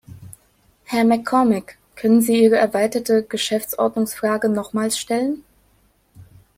Herr MacCormick, können Sie Ihre erweiterte Geschäftsordnungsfrage nochmals stellen?